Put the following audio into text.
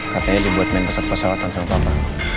katanya dibuat main pesat pesawat sama papa